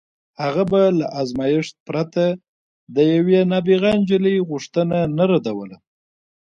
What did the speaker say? هغه به له ازمایښت پرته د یوې نابغه نجلۍ غوښتنه نه ردوله